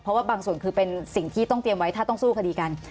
เพราะว่าบางส่วนคือเป็นสิ่งที่ต้องเตรียมไว้ถ้าต้องสู้คดีกัน